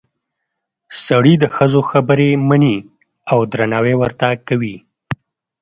سړي د ښځو خبرې مني او درناوی ورته کوي